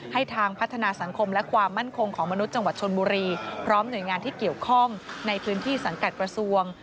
ทางพัฒนาสังคมและความมั่นคงของมนุษย์จังหวัดชนบุรีพร้อมหน่วยงานที่เกี่ยวข้องในพื้นที่สังกัดกระทรวง